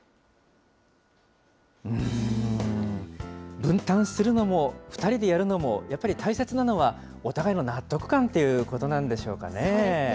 分担するのも、２人でやるのも、やっぱり大切なのは、お互いの納得感っていうことなんでしょうかね。